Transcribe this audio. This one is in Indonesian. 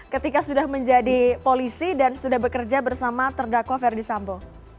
ketika sudah menjadi polisi dan sudah bekerja bersama terdakwa ferdi sambo